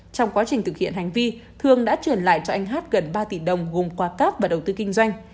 trong quá trình thực hiện hành vi thường đã truyền lại cho anh hát gần ba tỷ đồng gồm qua các và đầu tư kinh doanh